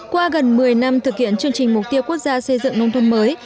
qua gần một mươi năm thực hiện chương trình mục tiêu quốc gia xây dựng nông thôn mới